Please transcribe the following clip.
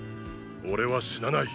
俺は死なない。